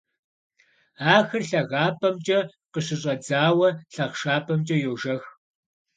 Ахэр лъагапӀэмкӀэ къыщыщӀэдзауэ лъахъшапӀэмкӀэ йожэх.